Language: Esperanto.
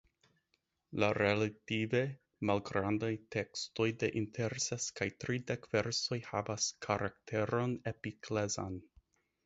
La relative malgrandaj tekstoj de inter ses kaj tridek versoj havas karakteron epiklezan.